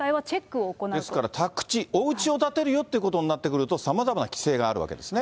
ですから宅地、おうちを建てるよということになってくると、さまざまな規制があるわけですね。